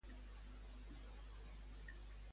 I quines els magistrats?